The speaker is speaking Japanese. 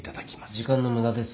時間の無駄です。